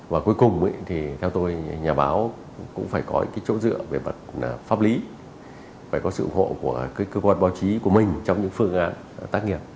và cuối cùng thì theo tôi nhà báo cũng phải có cái chỗ dựa về mặt pháp lý phải có sự ủng hộ của cơ quan báo chí của mình trong những phương án tác nghiệp